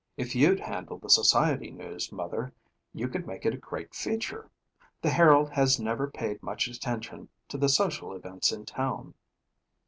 "If you'd handle the society news, Mother, you could make it a great feature. The Herald has never paid much attention to the social events in town.